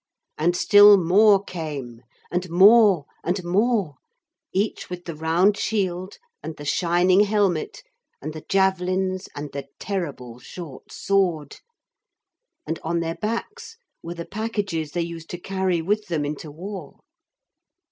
And still more came, and more and more, each with the round shield and the shining helmet and the javelins and the terrible short sword. And on their backs were the packages they used to carry with them into war.